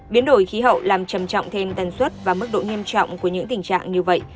biến đổi khí hậu làm trầm trọng thêm tần suất và mức độ nghiêm trọng của những tình trạng như vậy